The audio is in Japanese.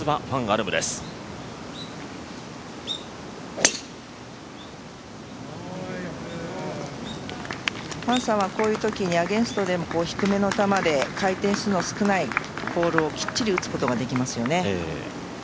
ファンさんはこういうときにアゲンストでも低めの球で回転数の少ないボールをきっちり打つことができますね。